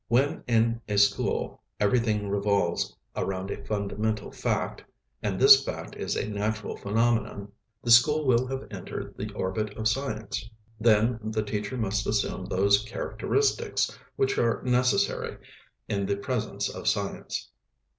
When in a school everything revolves around a fundamental fact, and this fact is a natural phenomenon, the school will have entered the orbit of science. Then the teacher must assume those "characteristics" which are necessary in the presence of science.